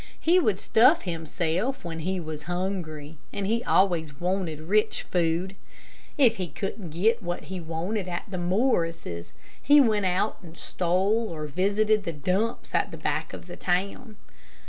He would stuff himself when he was hungry, and he always wanted rich food. If he couldn't get what he wanted at the Morrises', he went out and stole, or visited the dumps at the back of the town.